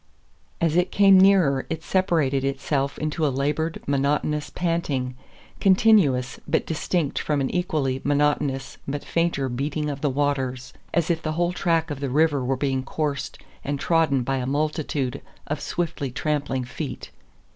As it came nearer it separated itself into a labored, monotonous panting, continuous, but distinct from an equally monotonous but fainter beating of the waters, as if the whole track of the river were being coursed and trodden by a multitude of swiftly trampling feet.